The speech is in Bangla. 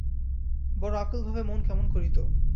বড় আকুলভাবে মন কেমন করিত।